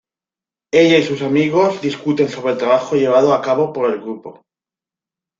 Ella y sus amigos discuten sobre el trabajo llevado a cabo por el grupo.